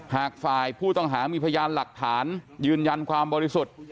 หากฝ่ายผู้ต้องหามีพยานหลักฐานยืนยันความบริสุทธิ์